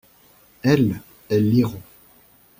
Elles, elles liront.